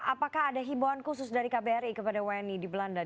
apakah ada himbauan khusus dari kbri kepada wni di belanda